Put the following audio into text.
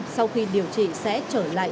sau khi điều trị sẽ trở lại